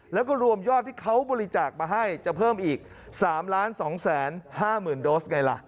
แล้วก็รวมยอดที่เขาบริจาคมาให้จะเพิ่มอีก๓๒๕๐๐๐โดสไงล่ะ